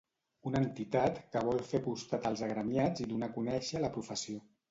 Una entitat que vol fer costat als agremiats i donar a conèixer la professió.